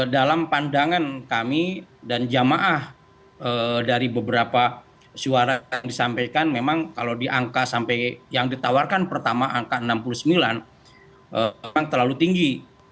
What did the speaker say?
dalam pandangan kami dan jamaah dari beberapa suara yang disampaikan memang kalau di angka sampai yang ditawarkan pertama angka enam puluh sembilan memang terlalu tinggi